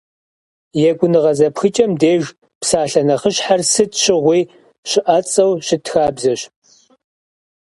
Екӏуныгъэ зэпхыкӏэм деж псалъэ нэхъыщхьэр сыт щыгъуи щыӏэцӏэу щыт хабзэщ.